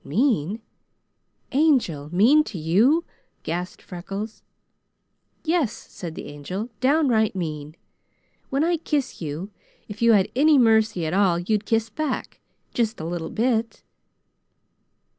"Mean, Angel! Mean to you?" gasped Freckles. "Yes," said the Angel. "Downright mean. When I kiss you, if you had any mercy at all you'd kiss back, just a little bit."